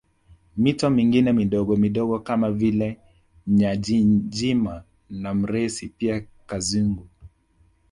Mito mingine midogomidogo kama vile Nyajijima na Mresi pia Kazingu